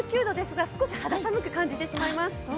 １９度ですが、少し肌寒く感じてしまいます。